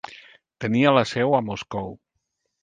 Tenia la seu a Moscou.